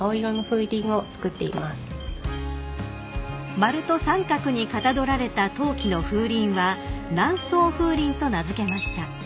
［丸と三角にかたどられた陶器の風鈴は南総風鈴と名付けました］